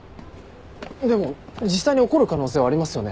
でも実際に起こる可能性はありますよね。